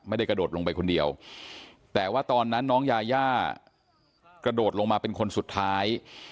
กระโดดลงไปคนเดียวแต่ว่าตอนนั้นน้องยาย่ากระโดดลงมาเป็นคนสุดท้าย